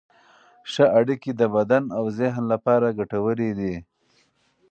ښه اړیکې د بدن او ذهن لپاره ګټورې دي.